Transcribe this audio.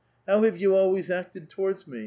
How have you always acted towards me ?